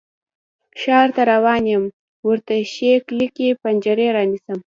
ښار ته روان یم، ورته ښې کلکې پنجرې رانیسم